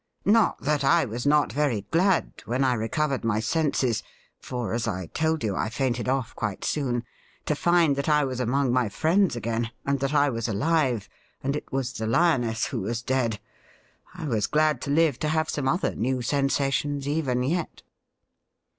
Not that I was not very glad when I recovered my senses — for, as I told you, I fainted off quite soon — to find that I was among my friends again, and that I was alive, and it was the lioness who was dead. I was glad to live to have some other new sensations, even yet.'